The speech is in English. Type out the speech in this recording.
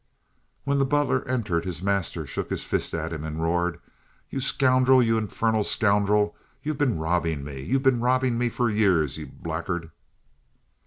When the butler entered his master shook his fist at him and roared: "You scoundrel! You infernal scoundrel! You've been robbing me! You've been robbing me for years, you blackguard!"